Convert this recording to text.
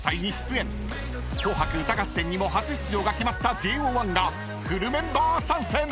［『紅白歌合戦』にも初出場が決まったＪＯ１がフルメンバー参戦！］